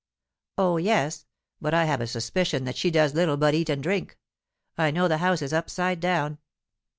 "Oh yes; but I have a suspicion that she does little but eat and drink. I know the house is upside down.